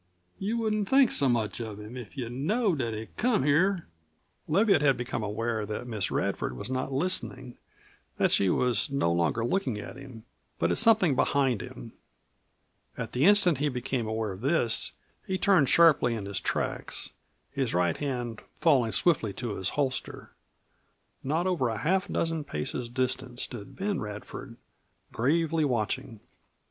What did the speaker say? You wouldn't think so much of him if you knowed that he come here " Leviatt had become aware that Miss Radford was not listening; that she was no longer looking at him, but at something behind him. At the instant he became aware of this he turned sharply in his tracks, his right hand falling swiftly to his holster. Not over half a dozen paces distant stood Ben Radford, gravely watching.